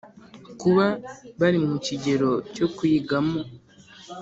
ku bari mu kigero cyo kuyigamo